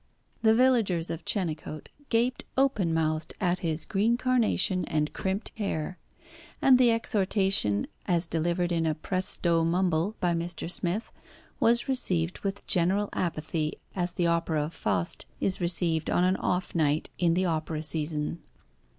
The villagers of Chenecote gaped open mouthed at his green carnation and crimped hair; and the exhortation as delivered in a presto mumble by Mr. Smith was received with general apathy, as the opera of "Faust" is received on an off night in the opera season.